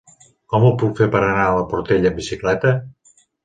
Com ho puc fer per anar a la Portella amb bicicleta?